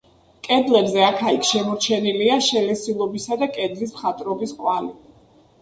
კედლებზე აქა-იქ შემორჩენილია შელესილობისა და კედლის მხატვრობის კვალი.